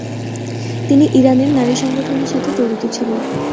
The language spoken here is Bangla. তিনি ইরানের নারী সংগঠনের সাথে জড়িত ছিলেন।